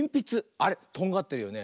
あれとんがってるよね。